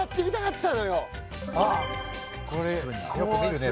これよく見るね